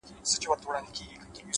اخلاق د انسان له شتمنۍ لوړ دي!